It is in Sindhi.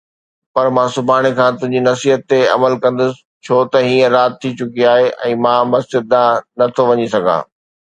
پر مان سڀاڻي کان تنهنجي نصيحت تي عمل ڪندس، ڇو ته هينئر رات ٿي چڪي آهي ۽ مان مسجد ڏانهن نه ٿو وڃي سگهان